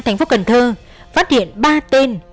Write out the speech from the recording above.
thành phố cần thơ phát hiện ba tên